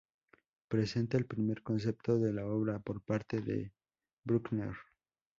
Representa el primer concepto de la obra por parte de Bruckner.